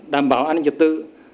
đảm bảo an ninh trật tự